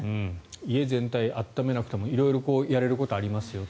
家全体、暖めなくても色々やれることはありますよと。